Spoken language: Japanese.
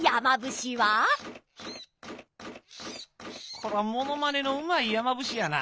「こら物まねのうまい山伏やな。